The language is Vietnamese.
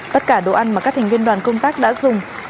tất cả đồ ăn mà các thành viên đoàn công tác đã dùng